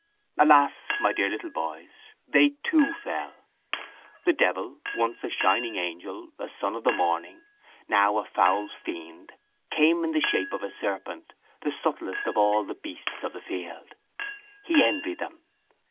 —Alas, my dear little boys, they too fell. The devil, once a shining angel, a son of the morning, now a foul fiend came in the shape of a serpent, the subtlest of all the beasts of the field. He envied them.